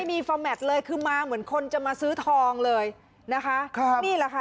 มีฟอร์แมทเลยคือมาเหมือนคนจะมาซื้อทองเลยนะคะครับนี่แหละค่ะ